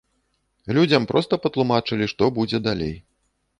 Людзям проста патлумачылі, што будзе далей.